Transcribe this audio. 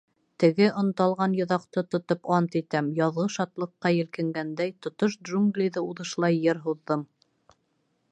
Теге онталған йоҙаҡты тотоп ант итәм: яҙғы шатлыҡҡа елкенгәндәй, тотош джунглиҙы уҙышлай йыр һуҙҙым.